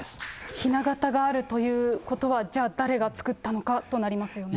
ひな形があるということは、じゃあ誰が作ったのかとなりますよね。